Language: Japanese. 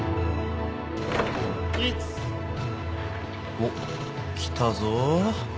おっ来たぞ。